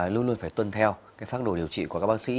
luôn luôn phải tuân theo pháp đồ điều trị của các bác sĩ